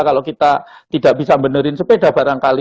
kalau kita tidak bisa benerin sepeda barangkali